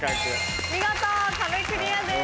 見事壁クリアです。